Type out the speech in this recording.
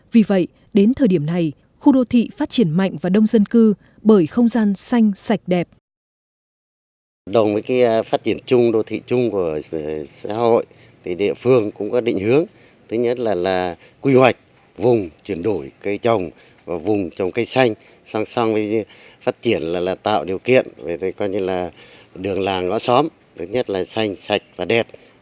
vì vậy đến thời điểm này khu đô thị phát triển mạnh và đông dân cư bởi không gian xanh sạch đẹp